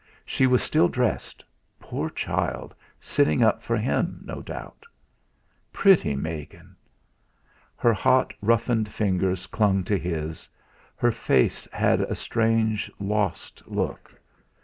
She was still dressed poor child, sitting up for him, no doubt! "Pretty Megan!" Her hot, roughened fingers clung to his; her face had a strange, lost look.